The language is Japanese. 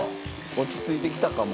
落ち着いてきたかも。